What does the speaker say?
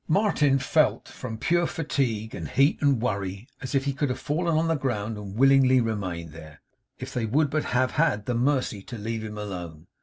Martin felt, from pure fatigue, and heat, and worry, as if he could have fallen on the ground and willingly remained there, if they would but have had the mercy to leave him alone.